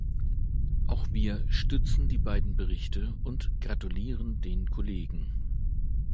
Auch wir stützen die beiden Berichte und gratulieren den Kollegen.